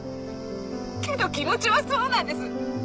けど気持ちはそうなんです。